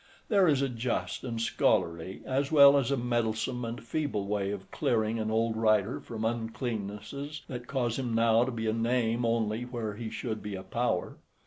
There is a just and scholarly, as well as a meddlesome and feeble way of clearing an old writer from uncleannesses that cause him now to be a name only where he should be a power.